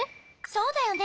そうだよね。